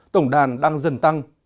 tổng đàn đang dần tăng